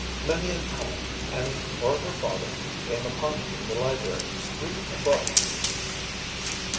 Many a time Penny or her father came upon him in the library, reading a book.